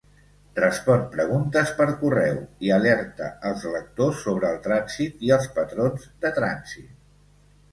Respon preguntes per correu i alerta els lectors sobre el trànsit i els patrons de trànsit.